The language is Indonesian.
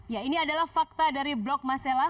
ya ini adalah fakta dari blok masela